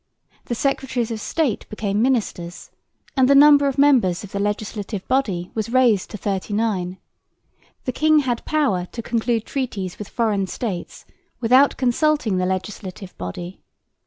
The Secretaries of State became Ministers, and the number of members of the Legislative Body was raised to thirty nine. The king had power to conclude treaties with foreign States without consulting the Legislative Body.